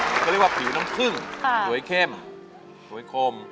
เขาเรียกว่าผิวน้ำผึ้งสวยเข้มสวยคม